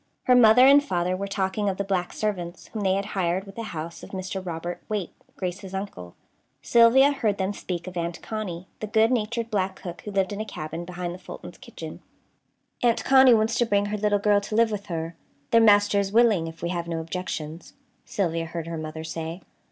Her mother and father were talking of the black servants, whom they had hired with the house of Mr. Robert Waite, Grace's uncle. Sylvia heard them speak of Aunt Connie, the good natured black cook, who lived in a cabin behind the Fultons' kitchen. "Aunt Connie wants to bring her little girl to live with her. Their master is willing, if we have no objections," Sylvia heard her mother say.